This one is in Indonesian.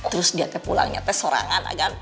terus dia pulangnya sorangan agan